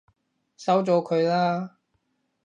收咗佢啦！